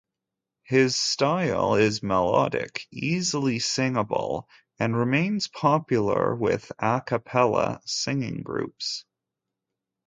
His style is melodic, easily singable, and remains popular with "a cappella" singing groups.